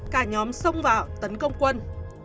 cả nhóm xông vào tấn công quân